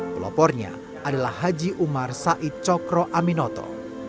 pelopornya adalah haji umar said cokro aminoto